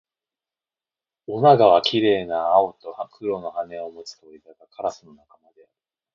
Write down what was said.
オナガは綺麗な青と黒の羽を持つ鳥だが、カラスの仲間である